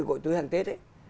gói túi hàng tết ấy